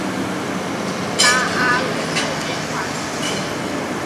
拉阿人口变化图示